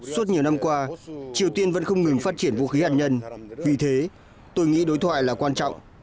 suốt nhiều năm qua triều tiên vẫn không ngừng phát triển vũ khí hạt nhân vì thế tôi nghĩ đối thoại là quan trọng